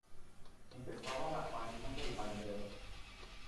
empezaba la faena del baldeo.